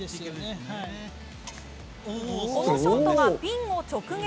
このショットがピンを直撃。